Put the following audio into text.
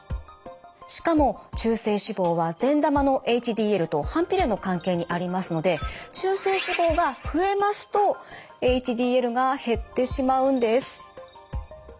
しかも中性脂肪は善玉のＨＤＬと反比例の関係にありますので中性脂肪が増えますとＨＤＬが減ってしまうんです。